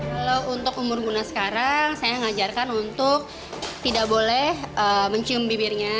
kalau untuk umur guna sekarang saya mengajarkan untuk tidak boleh mencium bibirnya